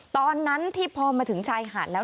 ตอนนั้นที่พอมาถึงชายหาดแล้ว